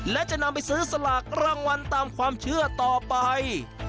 และจะนำไปซื้อสลากรางวัลตามความเชื่อต่อไป